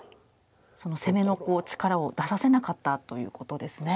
その攻めの力を出させなかったということですね。